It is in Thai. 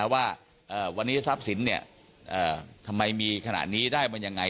ว่าวันนี้ทรัพย์สินทำไมมีขนาดนี้ได้มันยังไง